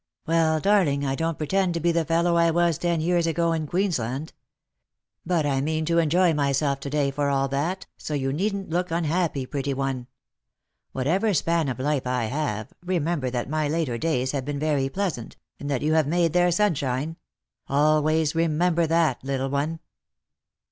" Well, darling, I don't pretend to be the fellow I was ten years ago in Queensland. But I mean to enjoy myself to day for all that, so you needn't look unhappy, pretty one. What ever span of life I have, remember that my later days have been very pleasant, and that you have made their sunshine — always remember that, little one."